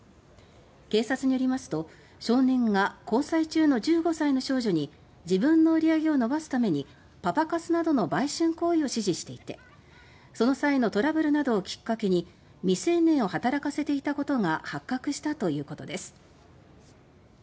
警察によりますと少年が交際中の１５歳の少女に自分の売り上げを伸ばすためにパパ活などの売春行為を指示していてその際のトラブルなどをきっかけに未成年を働かせていたことが発覚したということです。